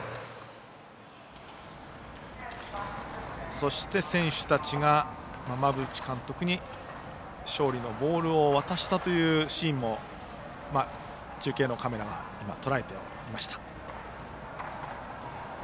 そして、選手たちが馬淵監督に勝利のボールを渡したシーンも中継のカメラがとらえていました。